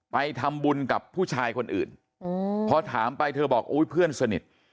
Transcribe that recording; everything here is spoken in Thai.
ไปทำบุญกับผู้ชายคนอื่นพอถามไปเธอบอกอุ้ยเพื่อนสนิท